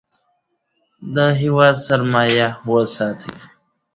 د هیواد سرمایه وساتئ.